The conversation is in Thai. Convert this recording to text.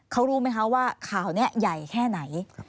เขารู้ไหมคะว่าข่าวนี้ใหญ่แค่ไหน